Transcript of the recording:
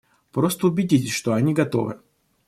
Просто убедитесь, что они готовы.